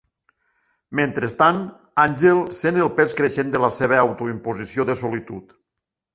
Mentrestant, Angel sent el pes creixent de la seva autoimposició de solitud.